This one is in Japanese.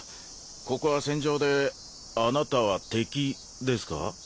ここは戦場であなたは敵ですか？